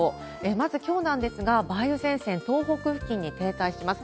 まず、きょうなんですが、梅雨前線、東北付近に停滞します。